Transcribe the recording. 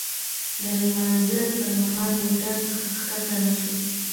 د لمانځه پر مهال موټر څخه ښکته نه شوو.